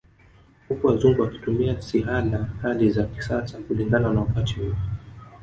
Huku wazungu wakitumia sihala kali za kisasa kulingana na wakati huo